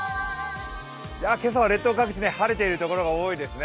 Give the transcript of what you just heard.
今朝は列島各地晴れているところが多いですね。